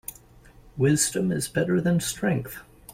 Wisdom is better than strength.